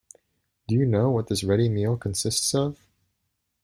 Do you know what this ready meal consists of?